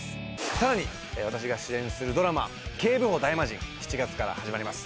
さらに私が主演するドラマ『警部補ダイマジン』７月から始まります。